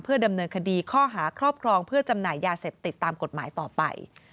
ดำเนินคดีข้อหาครอบครองเพื่อจำหน่ายยาเสพติดตามกฎหมายต่อไป